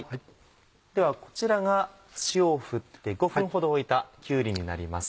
ではこちらが塩を振って５分ほどおいたきゅうりになります。